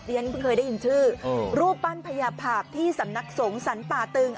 เหมือนเคยได้ยินชื่อรูปปั้นพญาผาบที่สำนักสงสันป่าตึง